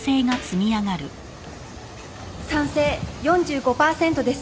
賛成４５パーセントです。